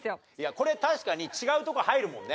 これ確かに違うとこ入るもんね。